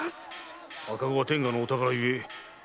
赤子は天下のお宝ゆえお産婆が